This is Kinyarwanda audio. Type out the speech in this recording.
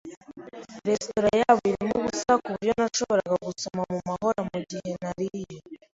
Restaurant yari irimo ubusa, kuburyo nashoboraga gusoma mumahoro mugihe nariye.